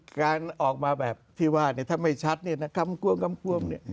การออกมาแบบที่ว่าที่ไม่ชัดนี่นะคำกล้ม